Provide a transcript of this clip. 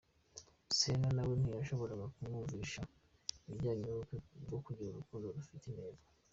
Selena nawe ntiyashoboraga kumwumvisha ibijyanye n’ubukwe no kugira urukundo rufite intego“.